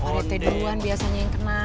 oret duluan biasanya yang kena